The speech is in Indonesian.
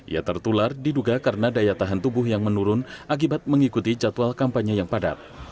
ia tertular diduga karena daya tahan tubuh yang menurun akibat mengikuti jadwal kampanye yang padat